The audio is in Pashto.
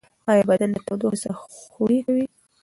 ایا بدن د تودوخې سره خولې کوي؟